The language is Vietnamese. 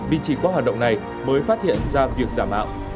vì chỉ có hoạt động này mới phát hiện ra việc giả mạo